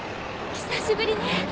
久しぶりね。